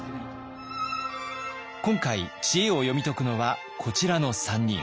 今回知恵を読み解くのはこちらの３人。